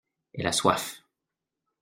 Elle a soif.